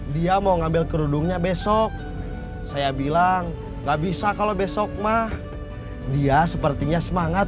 dia mau ngambil kerudungnya besok saya bilang gak bisa kalau besok mah dia sepertinya semangat